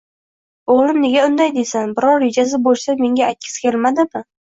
O`g`lim nega unday dedi, biror rejasi bo`lsa menga aytgisi kelmadimi